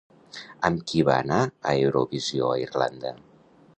Amb qui va anar a Eurovisió a Irlanda?